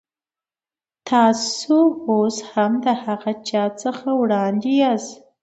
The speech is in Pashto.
تاسو اوس هم د هغه چا څخه وړاندې یاست.